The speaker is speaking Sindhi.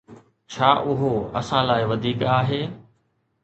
ڇا اهو اسان لاء وڌيڪ آهي؟